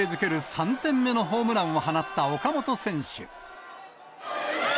３点目のホームランを放った岡本選手。